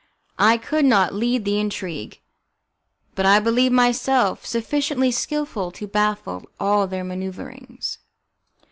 I could not lead the intrigue, but I believed myself sufficiently skilful to baffle all their manoeuvrings.